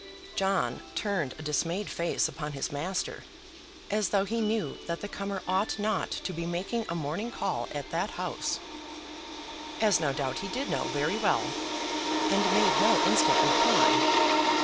John turned a dismayed face upon his master, as though he knew that the comer ought not to be making a morning call at that house, as no doubt he did know very well, and made no instant reply.